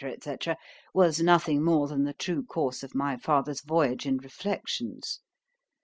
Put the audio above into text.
&c. was nothing more than the true course of my father's voyage and reflections.